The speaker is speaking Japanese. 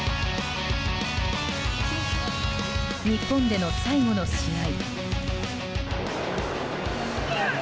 日本での最後の試合。